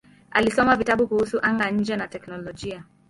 Alisoma vitabu kuhusu anga-nje na teknolojia.